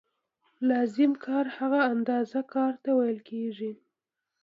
لازم کار هغه اندازه کار ته ویل کېږي